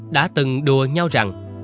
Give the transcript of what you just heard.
đã từng đùa nhau rằng